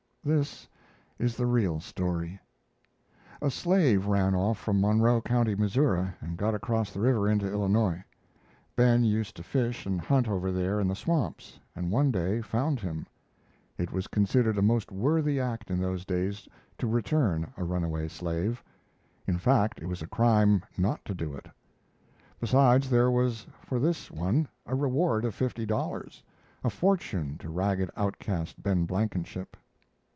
This is the real story: A slave ran off from Monroe County, Missouri, and got across the river into Illinois. Ben used to fish and hunt over there in the swamps, and one day found him. It was considered a most worthy act in those days to return a runaway slave; in fact, it was a crime not to do it. Besides, there was for this one a reward of fifty dollars, a fortune to ragged outcast Ben Blankenship.